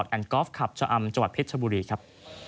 อันคลอฟคับเจออำจัวร์เภชชบุรีครับ